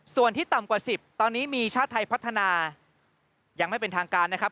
ส่วนที่ต่ำกว่า๑๐ตอนนี้มีชาติไทยพัฒนายังไม่เป็นทางการนะครับ